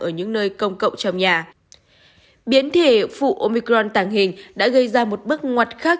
ở những nơi công cộng trong nhà biến thể phụ omicron tàng hình đã gây ra một bước ngoặt khác